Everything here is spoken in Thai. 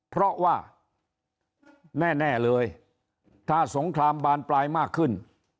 เพราะว่าแน่เลยถ้าสงครามบานปลายมากขึ้น